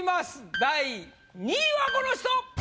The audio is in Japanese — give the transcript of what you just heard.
第２位はこの人！